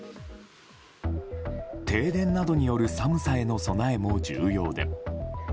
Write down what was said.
停電などによる寒さへの備えも重要で。